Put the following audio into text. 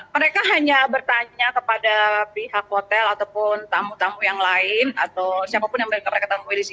mereka hanya bertanya kepada pihak hotel ataupun tamu tamu yang lain atau siapapun yang mereka temui di sini